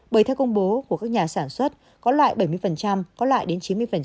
bởi theo công bố của các nhà sản xuất có loài bảy mươi có loài đến chín mươi